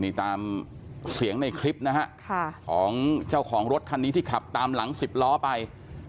นี่ตามเสียงในคลิปนะฮะของเจ้าของรถคันนี้ที่ขับตามหลังสิบล้อไป